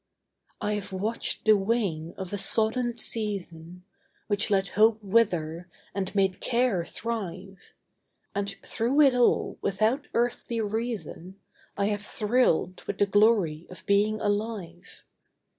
I have watched the wane of a sodden season, Which let hope wither, and made care thrive, And through it all, without earthly reason, I have thrilled with the glory of being alive.